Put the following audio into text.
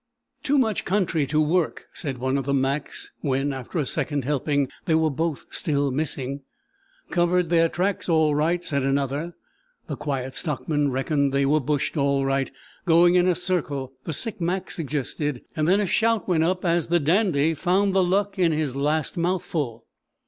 "Too much country to work," said one of the Macs, when after a second helping they were both still "missing." "Covered their tracks all right," said another. The Quiet Stockman "reckoned they were bushed all right." "Going in a circle," the sick Mac suggested, and then a shout went up as the Dandy found the "luck" in his last mouthful.